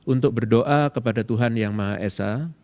untuk berdoa kepada tuhan yang maha esa